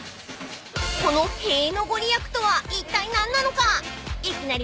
［この塀の御利益とはいったい何なのか］